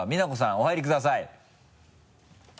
お入りください。